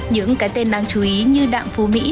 những cái tên đáng chú ý như đạng phu mỹ